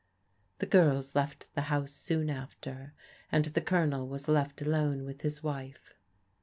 The girls left the house soon after, and the Colonel was left alone with his wife.